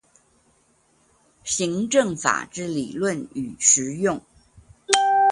行政法之理論與實用